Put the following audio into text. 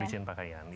pelicin pakaian ya